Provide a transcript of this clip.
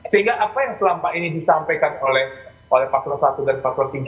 sehingga apa yang selama ini disampaikan oleh paslon satu dan paslon tiga